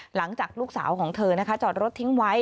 หลังจากลูกสาวของเธอนะคะจอดรถทิ้งไว้